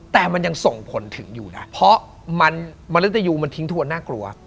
แต่มันยังส่งผลถึงอยู่นะเพราะมันมนุษยูมันทิ้งทวนน่ากลัว